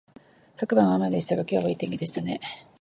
昨晩は雨でしたが、今日はいい天気ですね